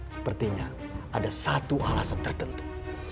sepertinya ada satu alasan tertentu